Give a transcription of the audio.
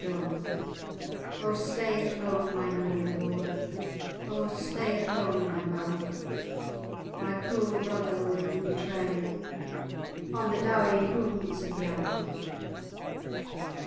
[#][#] Dawn. "O stay at home my noble lord, O stay at home my marrow. My cruel brother will you betray, On the dowie houms[#] of Yarrow."